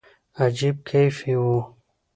عجيب کيف وو.